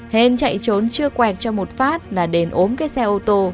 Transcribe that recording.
hên chạy trốn chưa quẹt cho một phát là đền ốm cái xe ô tô